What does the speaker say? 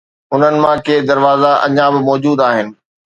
انهن مان ڪي دروازا اڃا به موجود آهن